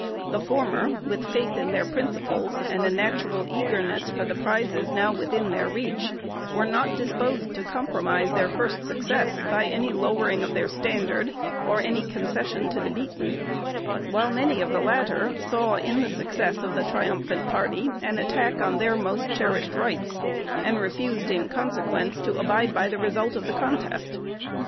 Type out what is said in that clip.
The former, with faith in their principles, and a natural eagerness for the prizes now within their reach, were not disposed to compromise their first success by any lowering of their standard or any concession to the beaten; while many of the latter saw in the success of the triumphant party an attack on their most cherished rights, and refused in consequence to abide by the result of the contest.